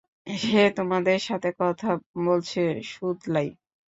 সে তোমার সাথে কথা বলছে, সুদলাই।